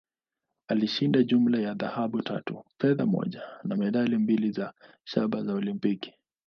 Alishinda jumla ya dhahabu tatu, fedha moja, na medali mbili za shaba za Olimpiki.